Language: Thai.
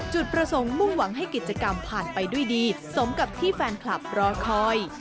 จุดประสงค์มุ่งหวังให้กิจกรรมผ่านไปด้วยดีสมกับที่แฟนคลับรอคอย